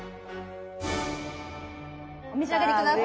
お召し上がり下さい。